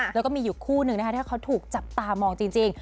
แล้วก็มีอยู่คู่หนึ่งนะคะถ้าเขาถูกจับตามองจริง